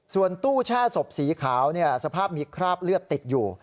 ส่วนตู้แช่ศพสีขาวสภาพมีคราบเลือดติดอยู่